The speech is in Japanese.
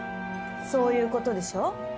そういう事でしょ。